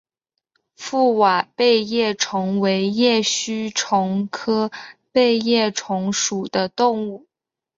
覆瓦背叶虫为叶须虫科背叶虫属的动物。